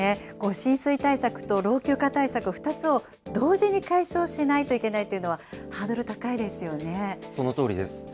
浸水対策と老朽化対策、２つを同時に解消しないといけないというのは、ハードル高いですそのとおりです。